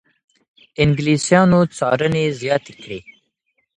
انګلیسانو څارنې زیاتې کړې.